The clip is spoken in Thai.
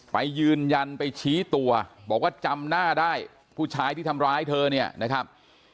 ไปยืนยันไปชี้ตัวบอกว่าจำหน้าได้ผู้ชายที่ทำร้ายเธอเนี่ยนะครับ